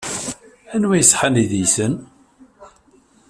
Anwa ay iṣeḥḥan deg-sen?